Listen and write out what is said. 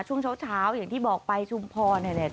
ช่วงเช้าอย่างที่บอกไปชุมพรเนี่ยแหละ